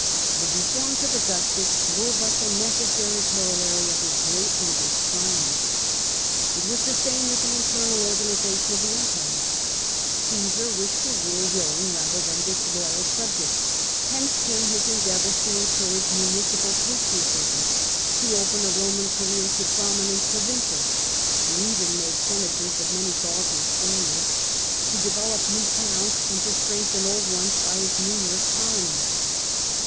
The reforms of Augustus wei'o but the necessary corollary of his great uncle's tiuurnph. It was the same with the intern<al organisation of the emi)ire: Caesar wished to rule willing rather than dis loyal subjects : henc('» came his endeavours to encourage municipal patriotistn, to open a itoman career to promi nent provincials (he even made senators of many Gauls and Spaniards), to develop new towns, and to strengthen old ones by his numerous colonies.